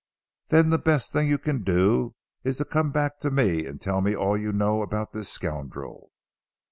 "Then the best thing you can do is to come back to me, and tell me all you know about this scoundrel."